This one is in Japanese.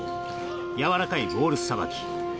やわらかいボールさばき。